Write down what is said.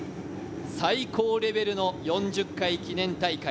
最高レベルの４０回記念大会。